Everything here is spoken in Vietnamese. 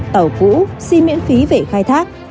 tàu cũ xin miễn phí về khai thác